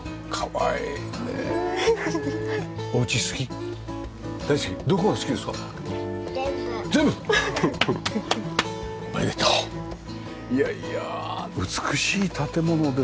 いやいや美しい建物ですよね。